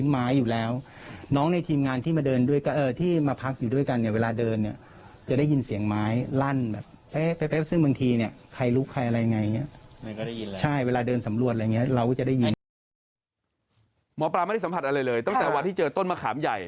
หมอปลาไม่ได้สัมผัสอะไรเลยตั้งแต่วันที่เจอต้นมะขามใหญ่